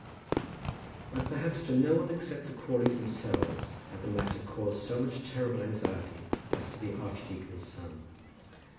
But perhaps to no one except to the Crawleys themselves had the matter caused so much terrible anxiety as to the archdeacon's son.